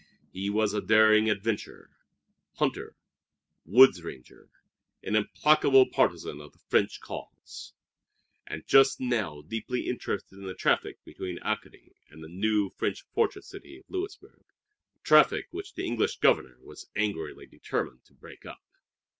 He was a daring adventurer, hunter, woods ranger, an implacable partisan of the French cause, and just now deeply interested in the traffic between Acadie and the new French fortress city of Louisburg a traffic which the English Governor was angrily determined to break up.